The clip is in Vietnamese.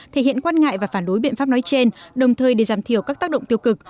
thể hiện quan ngại và phản đối biện pháp nói trên đồng thời để giảm thiểu các tác động tiêu cực